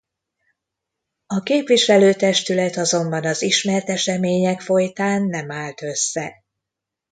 A képviselőtestület azonban az ismert események folytán nem állt össze.